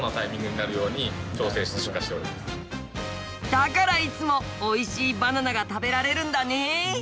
だからいつもおいしいバナナが食べられるんだね。